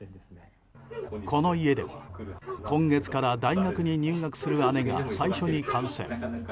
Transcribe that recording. この家では、今月から大学に入学する姉が最初に感染。